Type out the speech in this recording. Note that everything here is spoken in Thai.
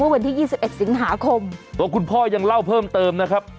เมื่อวันที่ยี่สิบเอ็ดสิงหาคมก็คุณพ่อยังเล่าเพิ่มเติมนะครับ